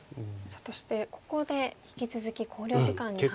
そしてここで引き続き考慮時間に入りました。